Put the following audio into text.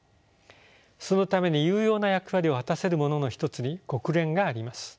そのために有用な役割を果たせるものの一つに国連があります。